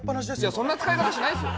そんな使い方しないですよ。